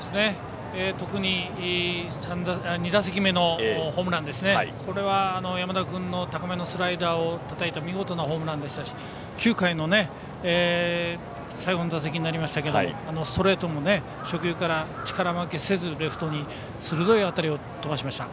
特に２打席目のホームラン山田君の高めのスライダーをたたいた見事なホームランでしたし９回の最後の打席ストレートを初球から力負けせずレフトに鋭い当たりを飛ばしました。